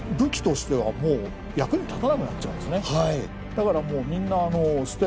だからもうみんな。